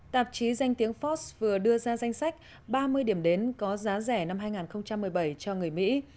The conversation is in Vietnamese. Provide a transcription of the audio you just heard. tạp chí danh tiếng fox vừa đưa ra danh sách ba mươi điểm đến có giá rẻ năm hai nghìn một mươi bảy cho người mỹ